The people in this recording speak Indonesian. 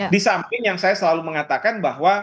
di samping yang saya selalu mengatakan bahwa